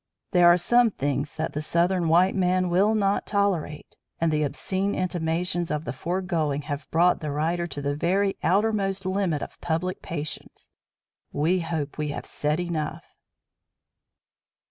There are some things that the Southern white man will not tolerate, and the obscene intimations of the foregoing have brought the writer to the very outermost limit of public patience. We hope we have said enough.